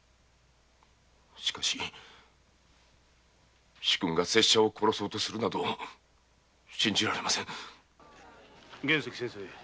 しかし主君がせっしゃを殺そうとするなど信じられません玄石先生。